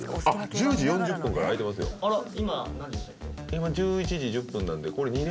今１１時１０分なのでこれ。